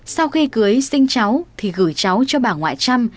sau khi cưới sinh cháu thì gửi cháu cho bà ngoại trăm